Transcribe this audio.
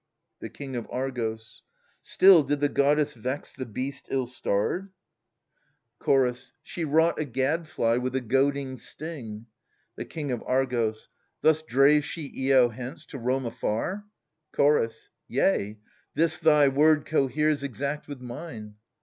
f The King of Argos. Still did the goddess vex the beast ill starred ?>^ i6 THE SUPPLIANT MAIDENS. Chorus. <i She wrought a gadfly with a goading sting. The King of Argos. Thus drave she lo hence, to roam afar ? Chorus. / Yea — this thy word coheres exact with mine.